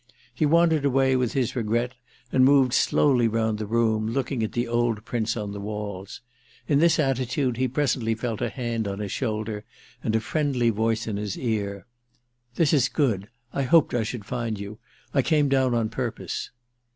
He wandered away with his regret and moved slowly round the room, looking at the old prints on the walls. In this attitude he presently felt a hand on his shoulder and a friendly voice in his ear "This is good. I hoped I should find you. I came down on purpose."